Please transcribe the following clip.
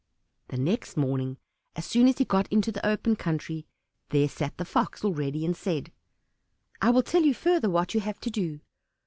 The next morning, as soon as he got into the open country, there sat the Fox already, and said, "I will tell you further what you have to do.